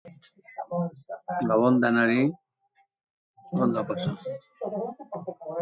Azkenik, aldizkako erakusketak ere ikusgai daude.